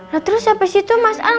nah terus sampe situ mas al